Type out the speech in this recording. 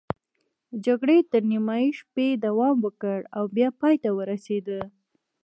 جګړې تر نیمايي شپې دوام وکړ او بیا پای ته ورسېده.